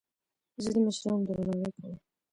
زه د مشرانو درناوی کوم.